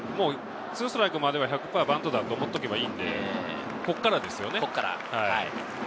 ２ストライクまでは１００％、バントだと思っていればいいので、ここからですよね。